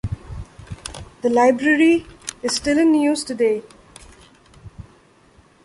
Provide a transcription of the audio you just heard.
The library is still in use today.